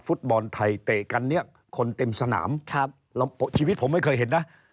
ฟุตบอลไทยเตะกันเนี่ยคนเต็มสนามชีวิตผมไม่เคยเห็นนะ